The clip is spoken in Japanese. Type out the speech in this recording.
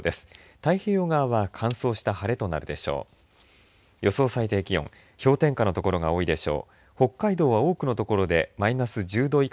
太平洋側は乾燥した晴れとなるでしょう。